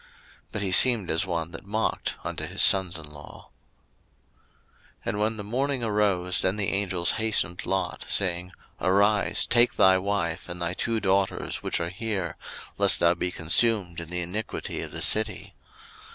But he seemed as one that mocked unto his sons in law. 01:019:015 And when the morning arose, then the angels hastened Lot, saying, Arise, take thy wife, and thy two daughters, which are here; lest thou be consumed in the iniquity of the city.